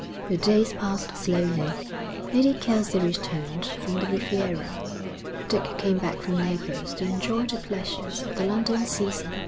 The days passed slowly. Lady Kelsey returned from the Riviera. Dick came back from Naples to enjoy the pleasures of the London season.